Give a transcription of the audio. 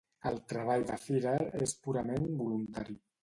El treball de Firer és purament voluntari.